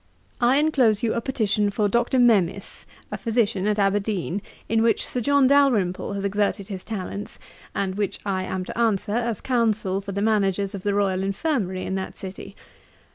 I enclose you a petition for Dr. Memis, a physician at Aberdeen, in which Sir John Dalrymple has exerted his talents, and which I am to answer as Counsel for the managers of the Royal Infirmary in that city.